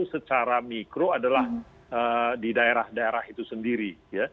secara mikro adalah di daerah daerah itu sendiri